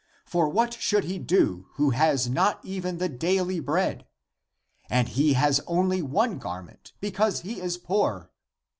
For what should he do who has not even the daily bread ? And he has only one garment because he is poor.